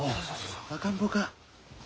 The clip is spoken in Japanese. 赤ん坊か？